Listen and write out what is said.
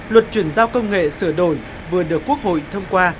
luật chuyển giao công nghệ sửa đổi vừa được quốc hội thông qua